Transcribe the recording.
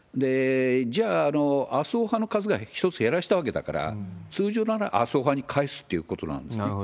じゃあ、麻生派の数が１つ減らしたわけだから、通常なら麻生派に返すっていうことなんですね。